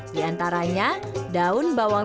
di antaranya daun bawang